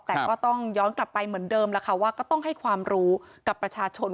แต่ก็ต้องย้อนกลับไปเหมือนเดิมแล้วค่ะว่าก็ต้องให้ความรู้กับประชาชน